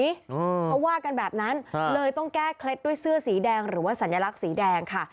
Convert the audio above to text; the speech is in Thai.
เขาว่ากันแบบนั้นเลยต้องแก้เคล็ดด้วยเสื้อสีแดงหรือว่าสัญลักษณ์สีแดงค่ะ